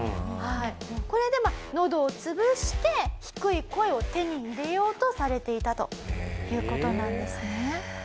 これで喉を潰して低い声を手に入れようとされていたという事なんですね。